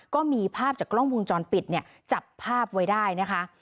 ก็มีภาพจากกล้องวงจรปิดเนี่ยจับภาพไว้ได้นะคะ